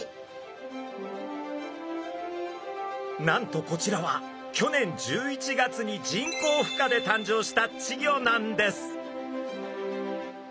なんとこちらは去年１１月に人工ふ化で誕生した稚魚なんです。